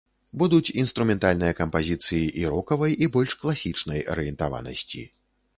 Будуць інструментальныя кампазіцыі і рокавай, і больш класічнай арыентаванасці.